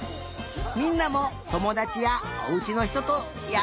みんなもともだちやおうちのひととやってみてね！